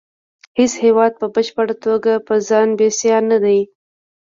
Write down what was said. هیڅ هیواد په بشپړه توګه په ځان بسیا نه دی